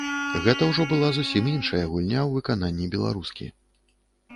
Гэта ўжо была зусім іншая гульня ў выкананні беларускі.